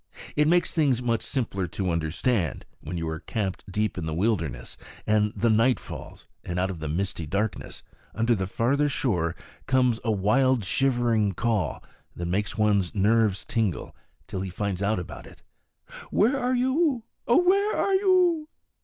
It makes things much simpler to understand, when you are camped deep in the wilderness, and the night falls, and out of the misty darkness under the farther shore comes a wild shivering call that makes one's nerves tingle till he finds out about it _Where are you? O where are you?